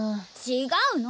違うの！